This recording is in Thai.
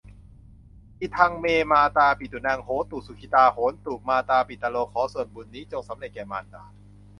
อิทัง เม มาตาปิตูนัง โหตุ สุขิตา โหนตุ มาตาปิตะโร ขอส่วนบุญนี้จงสำเร็จแก่มารดา